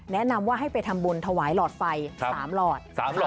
แนะนำว่าให้ไปทำบุญถวายหลอดไฟ๓หลอด